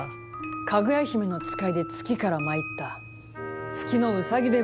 かぐや姫の使いで月から参った月のうさぎでございます。